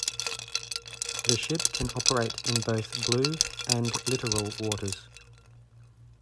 The ship can operate in both blue and littoral waters.